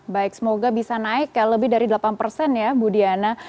baik semoga bisa naik ya lebih dari delapan persen ya bu diana